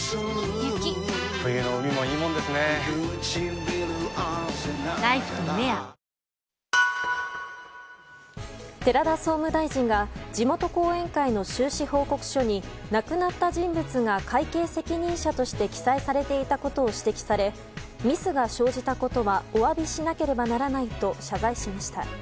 生命寺田総務大臣が地元後援会の収支報告書に亡くなった人物が会計責任者として記載されていたことを指摘されミスが生じたことはお詫びしなければならないと謝罪しました。